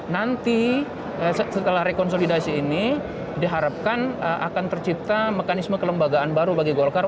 nanti setelah rekonsolidasi ini diharapkan akan tercipta mekanisme kelembagaan baru bagi golkar